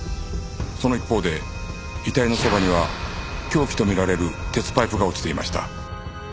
その一方で遺体のそばには凶器と見られる鉄パイプが落ちていました。